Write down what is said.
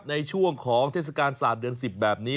ในช่วงของเทศกาลศาสตร์เดือน๑๐แบบนี้